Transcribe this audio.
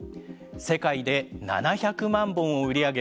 世界で７００万本を売り上げ